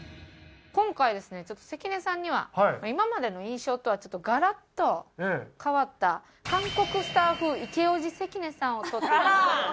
今回ですね関根さんには今までの印象とはがらっと変わった韓国スター風イケオジ関根さんを撮って頂こうと思います。